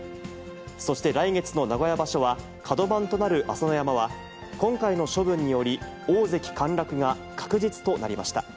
そして来月の名古屋場所は、角番となる朝乃山は、今回の処分により、大関陥落が確実となりました。